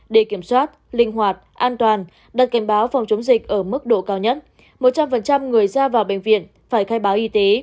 để kiểm soát linh hoạt an toàn đặt kèm báo phòng chống dịch ở mức độ cao nhất một trăm linh người ra vào bệnh viện phải khai báo y tế